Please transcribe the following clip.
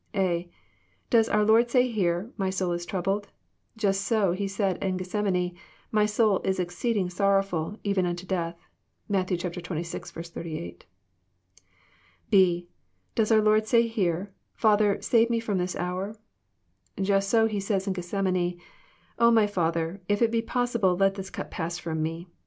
(a) Does our Lord say here, " My soul is troubled"? Just BO He said in Gethsemane, '' My soul is exceeding sorrowfUl, even nnto death." (Matt. xxvi. 38.) (5) Does our Lord say here, '* Father, save Me f^om this iiour "? Just so he says in Gethsemane, O my Father, if it be possible, let this cup pass from Me."